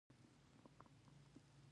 پر ځای یې پر علم او پوه باورمن دي.